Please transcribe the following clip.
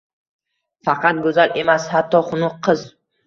Faqat go’zal emas, hatto xunuk qiz